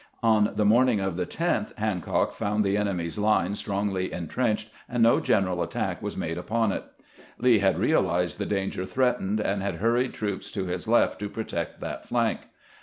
On the morning of the 10th Hancock found the enemy's line strongly intrenched, and no general attack was made upon it. Lee had realized the danger threatened, and had hurried troops to his left to protect that flank.